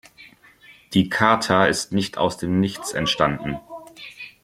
Die Charta ist nicht aus dem Nichts entstanden.